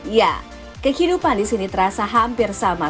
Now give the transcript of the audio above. ya kehidupan di sini terasa hampir sama